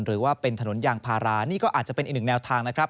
หรือว่าเป็นถนนยางพารานี่ก็อาจจะเป็นอีกหนึ่งแนวทางนะครับ